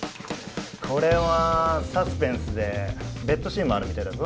これはサスペンスでベッドシーンもあるみたいだぞ。